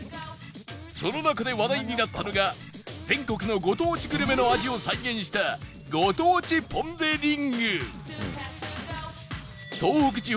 その中で話題になったのが全国のご当地グルメの味を再現したご当地ポン・デ・リング